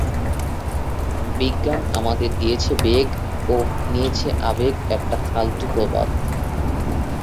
বিজ্ঞান আমাদের দিয়েছে বেগ ও নিয়েছে আবেগ একটা ফালতু প্রবাদ।